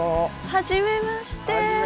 はじめまして。